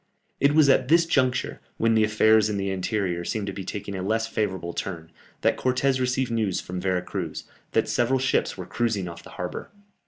It was at this juncture, when the affairs in the interior seemed to be taking a less favourable turn, that Cortès received news from Vera Cruz, that several ships were cruising off the harbour.